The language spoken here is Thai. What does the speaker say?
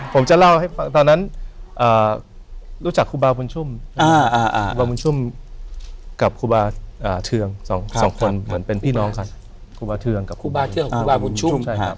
ผมจะเล่าให้ฟังตอนนั้นรู้จักครูบาพุนชุมครูบาพุนชุมกับครูบาเทืองสองคนเหมือนเป็นพี่น้องครับครูบาเทืองกับครูบาพุนชุม